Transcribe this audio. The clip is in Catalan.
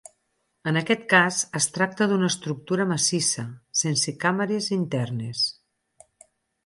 En aquest cas, es tracta d'una estructura massissa, sense càmeres internes.